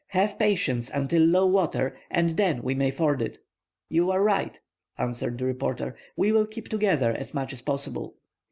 Have patience until low water and then we may ford it." "You are right," answered the reporter; "we will keep together as much as possible."